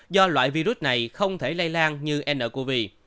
do loại virus này không thể lây lan như ncov